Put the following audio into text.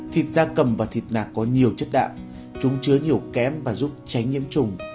thịt da cầm và thịt nạc có nhiều chất đạm chúng chứa nhiều kém và giúp tránh nhiễm trùng